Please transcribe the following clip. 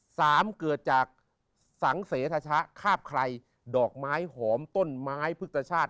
เกิดจากสังเสทชะคาบไครดอกไม้หอมต้นไม้พฤกษชาติ